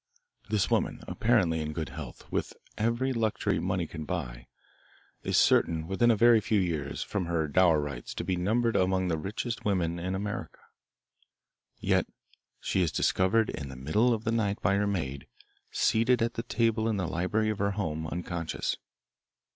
This woman, apparently in good health, with every luxury money can buy, is certain within a very few years, from her dower rights, to be numbered among the richest women in America. Yet she is discovered in the middle of the night by her maid, seated at the table in the library of her home, unconscious.